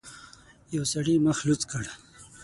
يوه سړي مخ لوڅ کړ.